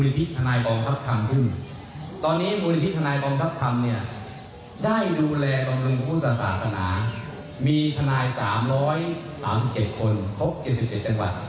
ถ้าไม่มี๓คนเนี่ยมันก็ไม่เป็นเหมือนกัน